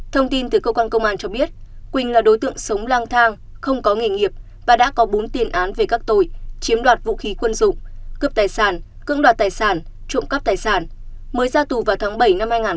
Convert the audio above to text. thông tin từ cơ quan công an cho biết quỳnh là đối tượng sống lang thang không có nghề nghiệp và đã có bốn tiền án về các tội chiếm đoạt vũ khí quân dụng cướp tài sản cưỡng đoạt tài sản trộm cắp tài sản mới ra tù vào tháng bảy năm hai nghìn hai mươi ba